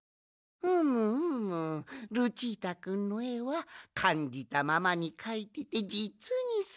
ふむふむルチータくんのえはかんじたままにかいててじつにすばらしい。